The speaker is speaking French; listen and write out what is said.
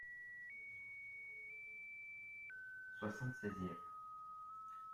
Soixante-seizième.